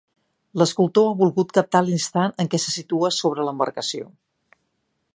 L'escultor ha volgut captar l'instant en què se situa sobre l'embarcació.